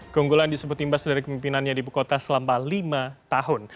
keunggulan disebut imbas dari pemimpinannya di bukota selama lima tahun